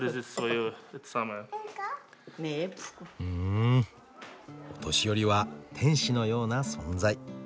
んお年寄りは天使のような存在。